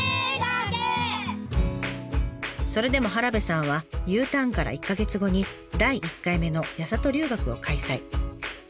それでも原部さんはＵターンから１か月後に第１回目の八郷留学を開催。